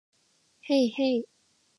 へいへい